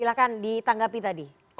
silahkan ditanggapi tadi